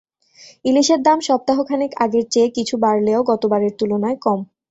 ইলিশের দাম সপ্তাহ খানেক আগের চেয়ে কিছু বাড়লেও গতবারের তুলনায় কম।